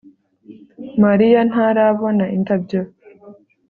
Mariya ntarabona indabyo